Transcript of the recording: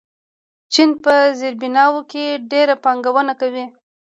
چین په زیربناوو کې ډېره پانګونه کوي.